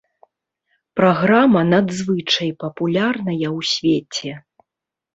Праграма надзвычай папулярная ў свеце.